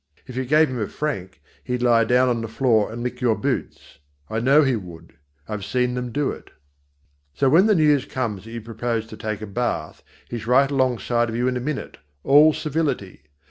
If you gave him a franc, he'd lie down on the floor and lick your boots. I know he would; I've seen them do it. So when the news comes that you propose to take a bath, he's right along side of you in a minute, all civility.